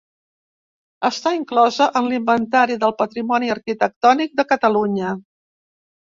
Està inclosa en l'Inventari del Patrimoni Arquitectònic de Catalunya.